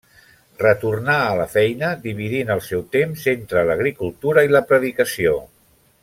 Retornà a la feina dividint el seu temps entre l'agricultura i la predicació.